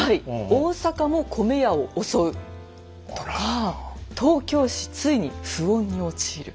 「大阪も米屋を襲う」とか「東京市ついに不穏に陥る」。